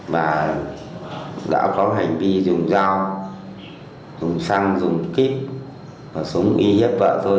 và đã có hành vi dùng dao dùng xăng dùng kíp và súng y hiếp vợ tôi